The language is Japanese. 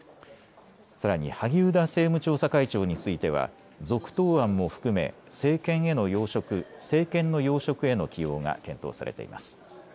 さらに萩生田政務調査会長については続投案も含め政権の要職への起用が検討されています。